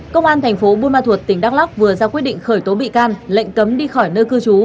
công an thành phố buôn ma thuột tỉnh đắk lắc vừa ra quyết định khởi tố bị can lệnh cấm đi khỏi nơi cư trú